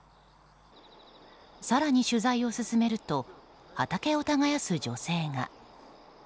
更に取材を進めると畑を耕す女性が。